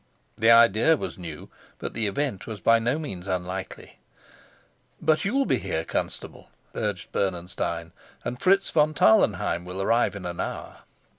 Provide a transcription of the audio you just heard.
The idea was new, but the event was by no means unlikely. "But you'll be here, Constable," urged Bernenstein, "and Fritz von Tarlenheim will arrive in an hour."